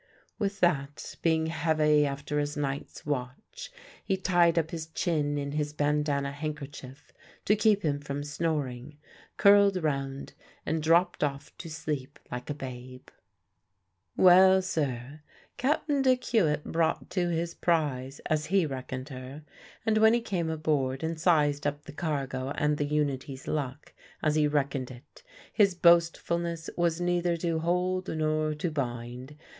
With that, being heavy after his night's watch, he tied up his chin in his bandanna handkerchief to keep him from snoring, curled round, and dropped off to sleep like a babe. Well, sir, Cap'n Dick Hewitt brought to his prize, as he reckoned her; and when he came aboard and sized up the cargo and the Unity's luck, as he reckoned it, his boastfulness was neither to hold nor to bind.